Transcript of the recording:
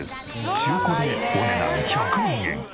中古でお値段１００万円。